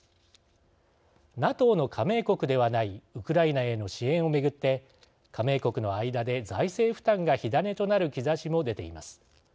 ＮＡＴＯの加盟国ではないウクライナへの支援を巡って加盟国の間で財政負担が火種となる兆しも出ています。